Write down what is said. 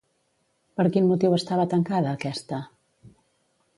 Per quin motiu estava tancada aquesta?